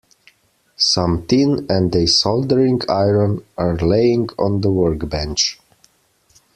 Some tin and a soldering iron are laying on the workbench.